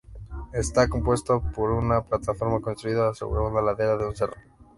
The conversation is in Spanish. Está compuesto por una plataforma construida sobre una ladera de un cerro.